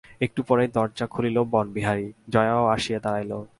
একটু পরেই দরজা খুলিল বনবিহারী, জয়াও আসিয়া দাড়াইল।